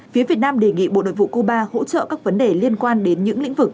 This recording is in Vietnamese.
phía việt nam đề nghị bộ nội vụ cuba hỗ trợ các vấn đề liên quan đến những lĩnh vực